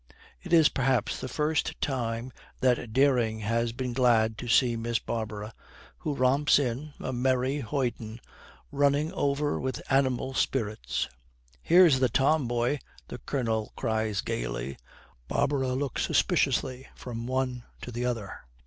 It is perhaps the first time that Dering has been glad to see Miss Barbara, who romps in, a merry hoyden, running over with animal spirits. 'Here's the tomboy!' the Colonel cries gaily. Barbara looks suspiciously from one to the other.